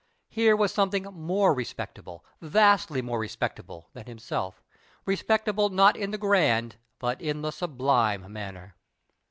Here was something more respectable, vastly more respectable, than himself; respectable not in the grand but in the sublime manner.